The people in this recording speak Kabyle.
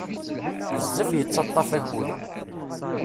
Bezzaf yettaṭaf akud.